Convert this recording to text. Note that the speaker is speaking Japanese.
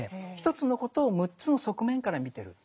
１つのことを６つの側面から見てる。